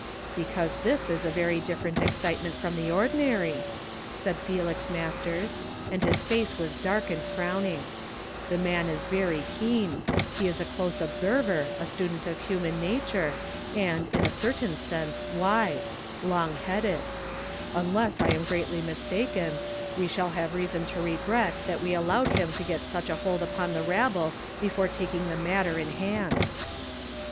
"Because tliis is a very different excitement from the ordinary," said Felix Masters ; and his face was dark and frowning. " TIk; man is very keen; he is a close observer, a student of human nature, and, in a certain sense, wise — long headed. Unless I am greatly mistaken, we shall have reason to regret that we allowed liim to get such a hold upon the rabble before taking the matter in hand."